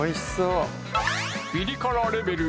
ピリ辛レベル